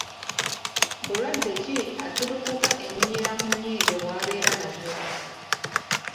Bulwadde ki attulukuka eminyira mu nnyindo bwabeera nabwo?